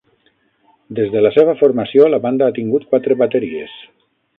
Des de la seva formació, la banda ha tingut quatre bateries.